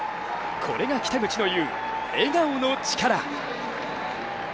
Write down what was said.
これが北口の言う笑顔の力。